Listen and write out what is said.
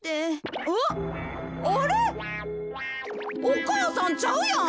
お母さんちゃうやん。